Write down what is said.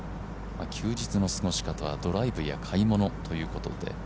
休日の過ごし方はドライブや買い物ということで。